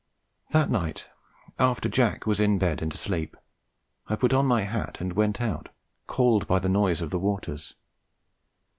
That night, after Jack was in bed and asleep, I put on my hat and went out, called by the noise of the waters.